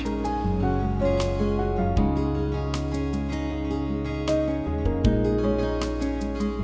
itu semua presentasi kami buat ruang